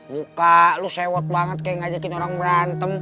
muka lu sewot banget kayak ngajakin orang berantem